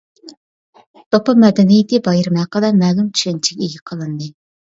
دوپپا مەدەنىيىتى بايرىمى ھەققىدە مەلۇم چۈشەنچىگە ئىگە قىلىندى.